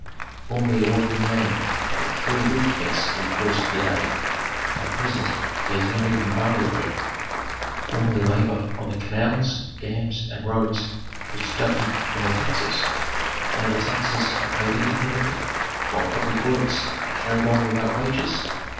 "Formerly a working man ate three wheat cakes in the course of the day; at present he has not even barley bread. Formerly labor on the canals, dams, and roads was deducted from the taxes; now the taxes are paid independently while public works are carried on without wages.